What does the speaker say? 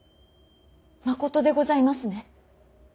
まことでございますね。